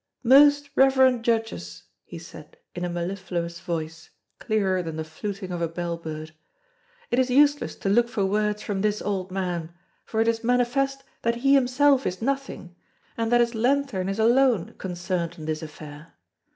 "Most reverend Judges," he said in a mellifluous voice, clearer than the fluting of a bell bird, "it is useless to look for words from this old man, for it is manifest that he himself is nothing, and that his lanthorn is alone concerned in this affair.